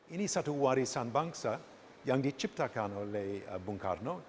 ini satu warisan bangsa yang diciptakan oleh bung karno